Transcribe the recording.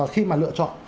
khi mà lựa chọn